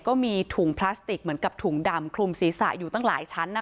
ก็มีถุงพลาสติกเหมือนกับถุงดำคลุมศีรษะอยู่ตั้งหลายชั้น